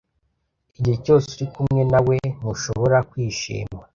Igihe cyose uri kumwe na we, ntushobora kwishima.